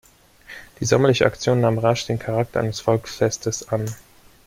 Die sommerliche Aktion nahm rasch den Charakter eines Volksfestes an.